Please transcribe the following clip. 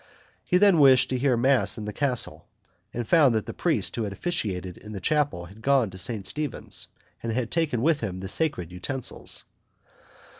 He then wished to hear mass in the castle, and found that the priest who officiated in the chapel had gone to St. Stephen's, and had taken with him the sacred utensils.